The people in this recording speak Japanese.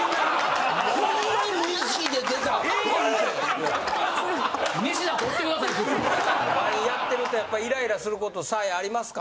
ＬＩＮＥやってるとやっぱイライラすることサーヤありますか？